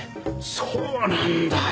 そうなんだよ。